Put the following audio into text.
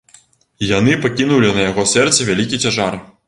І яны пакінулі на яго сэрцы вялікі цяжар.